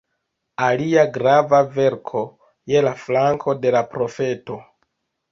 Alia grava verko: "Je la flanko de la profeto.